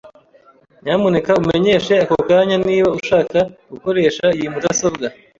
Nyamuneka umenyeshe ako kanya niba ushaka gukoresha iyi mudasobwa.